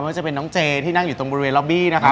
ว่าจะเป็นน้องเจที่นั่งอยู่ตรงบริเวณล็อบบี้นะครับ